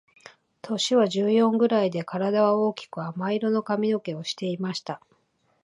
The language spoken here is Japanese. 年は十四ぐらいで、体は大きく亜麻色の髪の毛をしていました。